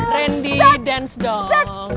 randy dance dong